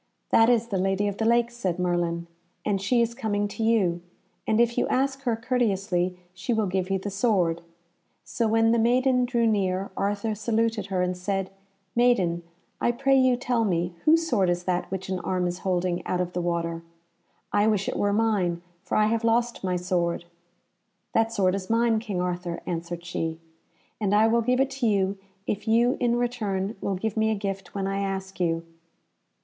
"That is the Lady of the Lake," said Merlin, "and she is coming to you, and if you ask her courteously she will give you the sword." So when the maiden drew near, Arthur saluted her and said, "Maiden, I pray you tell me whose sword is that which an arm is holding out of the water? I wish it were mine, for I have lost my sword." "That sword is mine, King Arthur," answered she, "and I will give it to you, if you in return will give me a gift when I ask you."